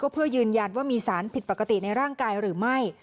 เพื่อยืนยันว่ามีสารผิดปกติในร่างกายหรือไม่